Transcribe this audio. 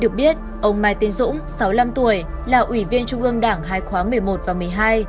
ông biết ông mai tiến dũng sáu mươi năm tuổi là ủy viên trung ương đảng hai khóa một mươi một và một mươi hai